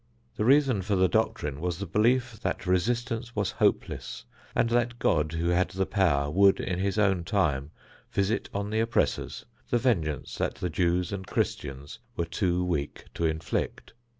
The reason for the doctrine was the belief that resistance was hopeless, and that God who had the power would in his own time visit on the oppressors the vengeance that the Jews and Christians were too weak to inflict.